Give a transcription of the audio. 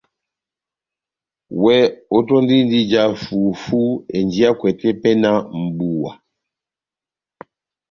Iwɛ ótɔndindi ija fufú enjiyakwɛ tepɛhɛ náh mʼbuwa